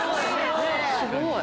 すごーい。